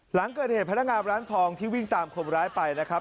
หลังเกิดเหตุพนักงานร้านทองที่วิ่งตามคนร้ายไปนะครับ